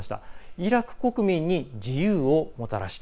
イラク国民に自由をもたらした。